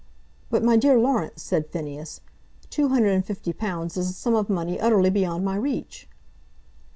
"But, my dear Laurence," said Phineas, "two hundred and fifty pounds is a sum of money utterly beyond my reach."